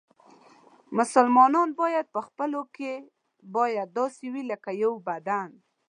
مسلمانان باید په خپلو کې باید داسې وي لکه یو بدن.